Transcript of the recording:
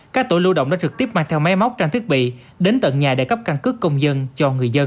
các tổ lưu động đã trực tiếp mang theo máy móc trang thiết bị đến tận nhà để cấp căn cước công dân cho người dân